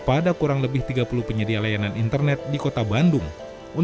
jika kita juga bisa membicara bahwa selesai kami mencari kabel secara hidup ini